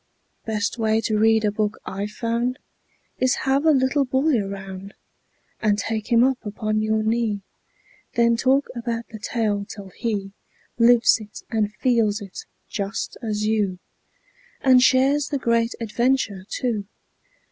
Best way to read a book I've found Is have a little boy around And take him up upon your knee; Then talk about the tale, till he Lives it and feels it, just as you, And shares the great adventure, too.